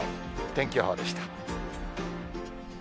天気予報でした。